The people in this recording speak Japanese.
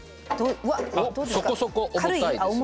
わあそこそこ重たいですね。